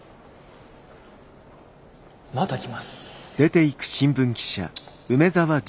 また来ます。